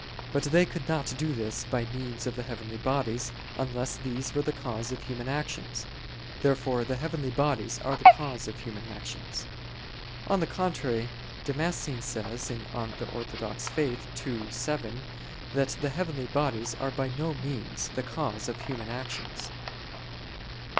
But they could not do this by means of the heavenly bodies, unless these were the cause of human actions. Therefore the heavenly bodies are the cause of human actions. On the contrary, Damascene says (De Fide Orth. ii, 7) that "the heavenly bodies are by no means the cause of human actions."